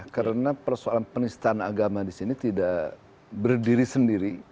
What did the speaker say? karena persoalan penistaan agama disini tidak berdiri sendiri